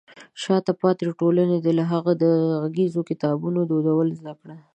شاته پاتې ټولنې دې له هغې د غږیزو کتابونو دودول زده کړي.